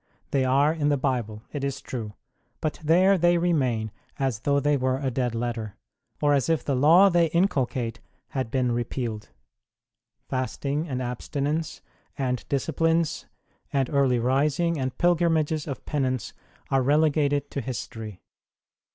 They are in the Bible, it is true, but there they remain as though they were a dead letter, or as if the law they inculcate had been repealed. Fasting, and absti nence, and disciplines, and early rising, and pilgrimages of penance are relegated to history.